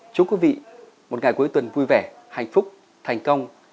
chúc quý vị một ngày cuối tuần vui vẻ hạnh phúc thành công